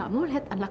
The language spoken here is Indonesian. aku mau pulang